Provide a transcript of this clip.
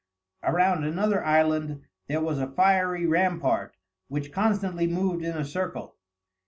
Around another island there was a fiery rampart, which constantly moved in a circle.